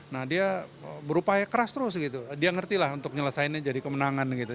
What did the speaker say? nah dia berupaya keras terus gitu dia ngerti lah untuk nyelesainnya jadi kemenangan gitu